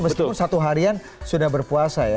meskipun satu harian sudah berpuasa ya